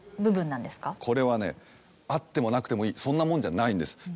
これはねあってもなくてもいいそんなもんじゃないんです。